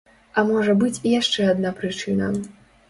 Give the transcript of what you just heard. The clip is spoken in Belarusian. А можа быць і яшчэ адна прычына.